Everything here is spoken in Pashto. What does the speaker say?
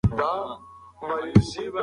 ناسا د سایکي ماموریت ته ادامه ورکوي.